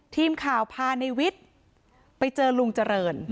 ทีมข่าวพาในวิทย์ไปเจอลุงเจริญ